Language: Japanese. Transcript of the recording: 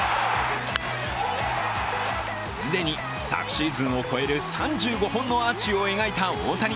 既に昨シーズンを超える３５本のアーチを描いた大谷。